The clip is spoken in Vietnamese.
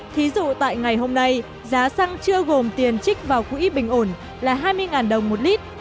thí dụ tại ngày hôm nay giá xăng chưa gồm tiền trích vào quỹ bình ổn là hai mươi đồng một lít